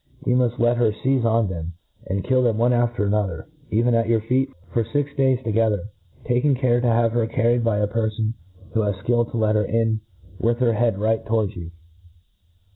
iTpu muft let her feize on them, and kill them, one after another, even at your feet, for fix days together^ taking care to have her carried by a pcr fon who has (kill to let her in with her head right towards you.